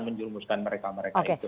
menjurumuskan mereka mereka itu